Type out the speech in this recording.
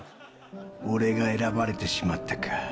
俺が選ばれてしまったか。